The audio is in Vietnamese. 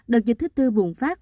đợt dịch thứ tư buồn phát